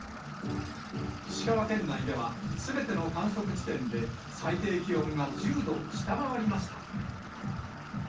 石川県内ではすべての観測地点で、最低気温が１０度を下回りました。